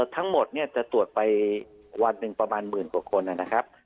ทั้งหมดจะตรวจไปวันหนึ่งประมาณหมื่นกว่าคนนะครับ